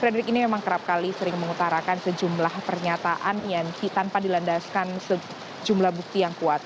fredrik ini memang sering mengutarakan sejumlah pernyataan yang tanpa dilandaskan sejumlah bukti yang kuat